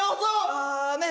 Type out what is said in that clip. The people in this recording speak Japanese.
ああねえ